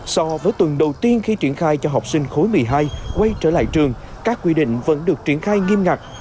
so với tuần đầu tiên khi triển khai cho học sinh khối một mươi hai quay trở lại trường các quy định vẫn được triển khai nghiêm ngặt